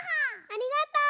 ありがとう！